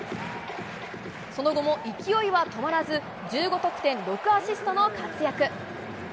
その後も勢いは止まらず、１５得点６アシストの活躍。